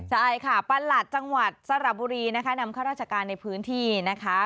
ใช่ค่ะประหลัดจังหวัดสระบุรีนะคะนำข้าราชการในพื้นที่นะคะ